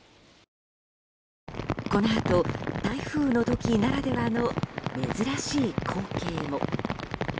このあと台風の時ならではの珍しい光景も。